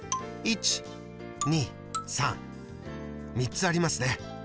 ３つありますね。